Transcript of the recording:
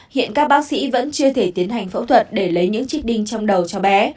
hiện các bác sĩ vẫn chưa thể tiến hành phẫu thuật để lấy những chiếc đinh trong đầu cho bé